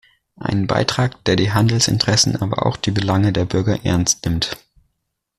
Einen Beitrag, der die Handelsinteressen, aber auch die Belange der Bürger ernst nimmt.